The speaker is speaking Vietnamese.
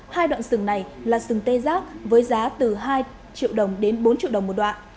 hai đoạn sừng này là sừng tê giác với giá từ hai triệu đồng đến bốn triệu đồng một đoạn